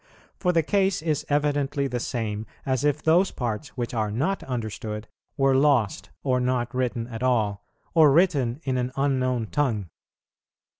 For the case is evidently the same as if those parts, which are not understood, were lost, or not written at all, or written in an unknown tongue.